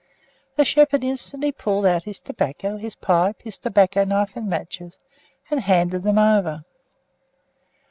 The shepherd instantly pulled out his tobacco, his pipe, his tobacco knife, and matches, and handed them over.